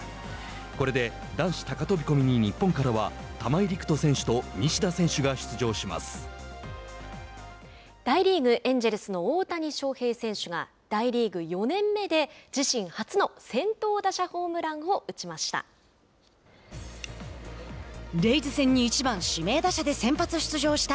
これで男子高飛び込みに日本からは玉井陸斗選手と大リーグエンジェルスの大谷翔平選手が大リーグ４年目で自身初の先頭打者ホームランを打ちました。